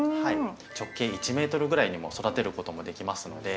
直径１ｍぐらいにも育てることもできますので。